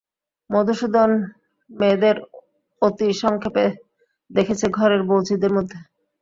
মধুসূদন মেয়েদের অতি সংক্ষেপে দেখেছে ঘরের বউঝিদের মধ্যে।